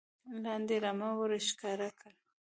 لاندې رمه ور ښکاره کړي .